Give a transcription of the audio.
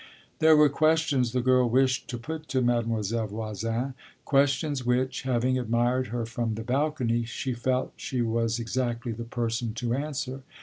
There were questions the girl wished to put to Mademoiselle Voisin questions which, having admired her from the balcony, she felt she was exactly the person to answer.